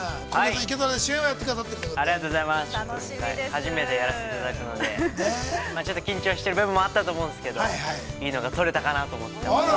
◆初めてやらせていただくので、ちょっと緊張している部分もあったと思うんですけれども、いいのが撮れたかなと思っています。